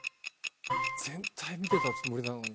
全体見てたつもりなのに。